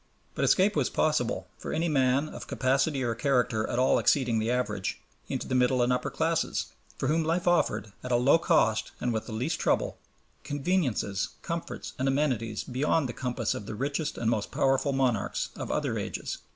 But escape was possible, for any man of capacity or character at all exceeding the average, into the middle and upper classes, for whom life offered, at a low cost and with the least trouble, conveniences, comforts, and amenities beyond the compass of the richest and most powerful monarchs of other ages.